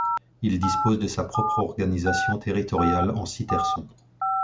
Il dispose de sa propre organisation territoriale en six terçons.